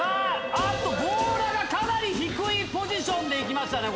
強羅がかなり低いポジションでいきましたね。